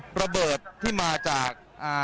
ระเบิดที่มาจาก